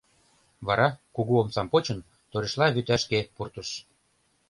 Вара, кугу омсам почын, торешла вӱташке пуртыш.